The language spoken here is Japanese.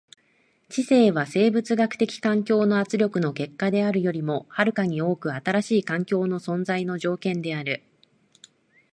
知性は生物学的環境の圧力の結果であるよりも遥かに多く新しい環境の存在の条件である。